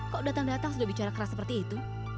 kok datang datang sudah bicara keras seperti itu